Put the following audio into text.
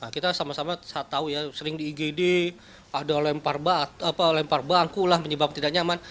kita sama sama tahu ya sering di igd ada lempar bangkulah menyebabkan tidak nyaman